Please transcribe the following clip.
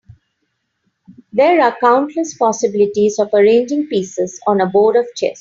There are countless possibilities of arranging pieces on a board of chess.